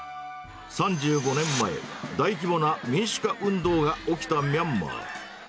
３５年前、大規模な民主化運動が起きたミャンマー。